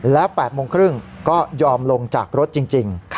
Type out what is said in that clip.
และ๘๓๐นก็ยอมลงจากรถจริง